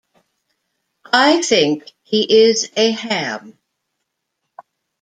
I think he is a ham.